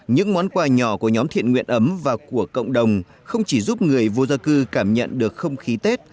những món quà nhỏ của nhóm thiện nguyện ấm và của cộng đồng không chỉ giúp người vô gia cư cảm nhận được không khí tết